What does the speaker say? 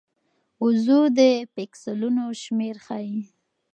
وضوح د پیکسلونو شمېر ښيي.